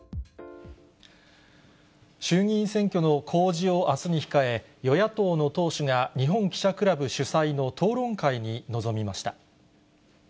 衆議院選挙の公示をあすに控え、与野党の党首が日本記者クラブ主催の討論会に臨みました。